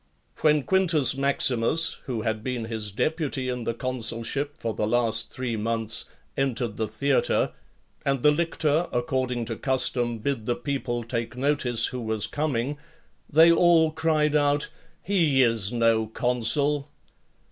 When Quintus Maximus, who had been his deputy in the consulship for the last three months, entered the theatre, and the lictor, according to custom, bid the people take notice who was coming, they all cried out, "He is no consul."